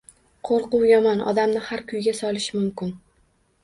Qo`rquv yomon, odamni har kuyga solishi mumkin